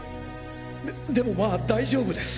ででもまあ大丈夫です！